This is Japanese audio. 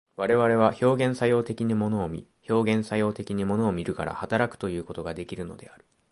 我々は表現作用的に物を見、表現作用的に物を見るから働くということができるのである。